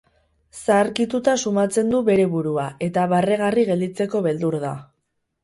Zaharkituta sumatzen du bere burua, eta barregarri gelditzeko beldur da.